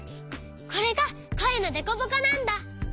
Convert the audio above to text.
これがこえのデコボコなんだ。